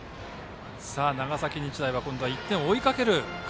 長崎日大は今度は１点を追いかける形。